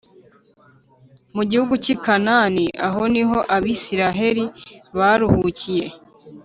mu gihugu cy i Kanani aho niho abisiraheli baruhukiye